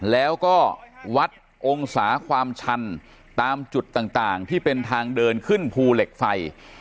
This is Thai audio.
แล้วก็วัดองศาความชันตามจุดต่างที่เป็นทางเดินขึ้นภูเหล็กไฟ